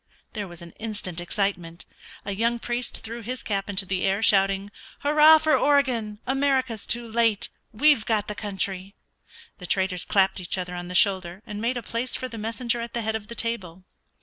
There was instant excitement. A young priest threw his cap in the air, shouting, "Hurrah for Oregon America's too late; we've got the country!" The traders clapped each other on the shoulder, and made a place for the messenger at the head of the table.